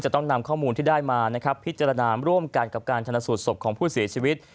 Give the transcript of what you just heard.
ต้องนำข้อมูลที่ได้มานะครับพิจารณาร่วมกันกับการชนสูตรศพของผู้เสียชีวิต